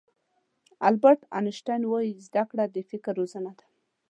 البرټ آینشټاین وایي زده کړه د فکر روزنه ده.